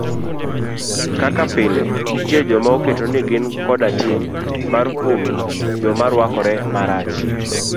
Kaka pile nitie joma oketo ni gin koda ting' mar kumo joma rwakore marach.